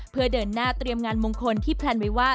เพื่อเดินหน้าเตรียมงานมงคลที่แพลนไว้ว่า